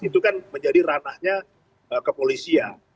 itu kan menjadi ranahnya ke polisi ya